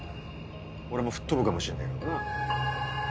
俺も吹っ飛ぶかもしれねえからな。